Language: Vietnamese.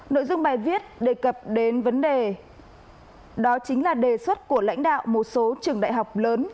nội dung bài viết đề cập đến vấn đề đó chính là đề xuất của lãnh đạo một số trường đại học lớn